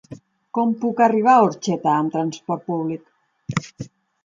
Com puc arribar a Orxeta amb transport públic?